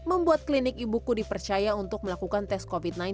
membuat klinik ibuku dipercaya untuk melakukan tes covid sembilan belas